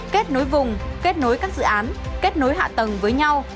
kết nối vùng kết nối các dự án kết nối hạ tầng với nhau